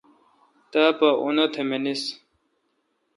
تا پا اُنآ تی منیس